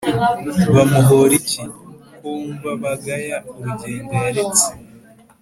Bamuhora iki, ko wumva bagaya urugendo yaretse?